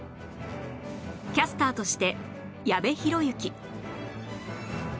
キャスターとして矢部浩之